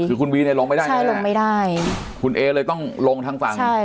คือคุณวีเนี่ยลงไม่ได้นะลงไม่ได้คุณเอเลยต้องลงทางฝั่งใช่